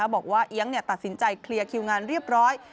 บอกว่าเอี๊ยงตัดสินใจเคลียร์คิวงานเรียบร้อย